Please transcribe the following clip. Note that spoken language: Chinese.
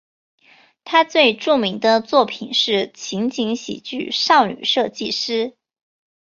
他最著名的作品是情景喜剧少女设计师。